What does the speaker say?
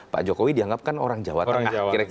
pak jokowi dianggapkan orang jawa tengah